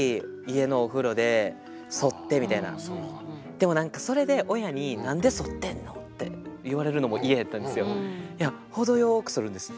でもなんかそれで親に「何でそってんの！」って言われるのも嫌やったんですよ。いやほどよくそるんです。